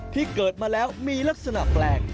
ที่เกิดมาแล้วมีลักษณะแปลก